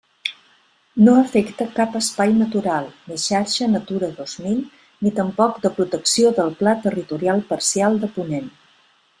No afecta cap espai natural, ni xarxa Natura dos mil ni tampoc de protecció del Pla territorial parcial de Ponent.